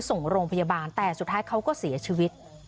ส่งโรงพยาบาลแต่สุดท้ายเขาก็เสียชีวิต